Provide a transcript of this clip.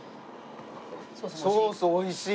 ソース美味しい！